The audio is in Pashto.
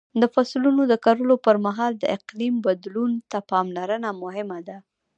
د فصلونو د کرلو پر مهال د اقلیم بدلون ته پاملرنه مهمه ده.